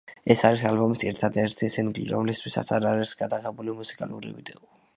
ეს არის ალბომის ერთადერთი სინგლი, რომლისთვისაც არ არის გადაღებული მუსიკალური ვიდეო.